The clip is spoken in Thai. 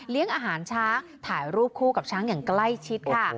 อาหารช้างถ่ายรูปคู่กับช้างอย่างใกล้ชิดค่ะ